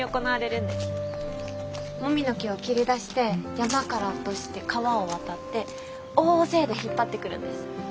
もみの木を切り出して山から落として川を渡って大勢で引っ張ってくるんです。